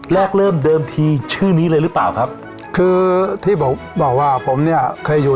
เริ่มเดิมทีชื่อนี้เลยหรือเปล่าครับคือที่ผมบอกว่าผมเนี่ยเคยอยู่